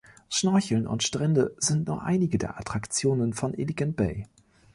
Schnorcheln und Strände sind nur einige der Attraktionen von Iligan Bay.